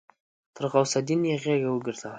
تر غوث الدين يې غېږه وګرځوله.